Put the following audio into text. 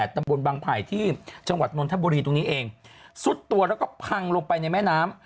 ตำบลบางไผ่ที่จังหวัดนนทบุรีตรงนี้เองซุดตัวแล้วก็พังลงไปในแม่น้ำ